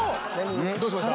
どうしました？